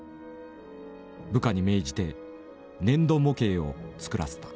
部下に命じて粘土模型を作らせた。